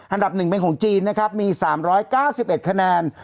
อันดับหนึ่งเป็นของจีนนะครับมีสามร้อยเก้าสิบเอ็ดคะแนน